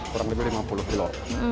kurang lebih lima puluh kilo